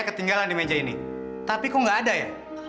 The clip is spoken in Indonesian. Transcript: ketinggalan di meja ini tapi kok nggak ada ya